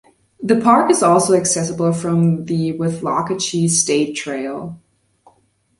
The park is also accessible from the Withlacoochee State Trail.